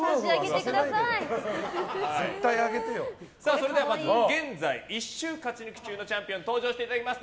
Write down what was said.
それでは、まず現在１週勝ち抜き中のチャンピオンに登場していただきます。